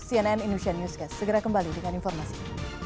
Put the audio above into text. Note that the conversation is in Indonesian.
cnn indonesia newscast segera kembali dengan informasi